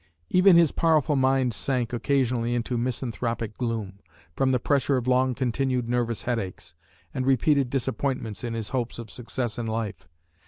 Even his powerful mind sank occasionally into misanthropic gloom, from the pressure of long continued nervous headaches, and repeated disappointments in his hopes of success in life.